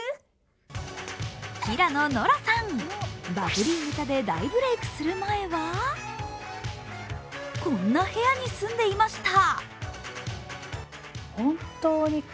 バブリーネタで大ブレークする前はこんな部屋に住んでいました。